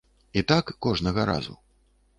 І так кожнага разу.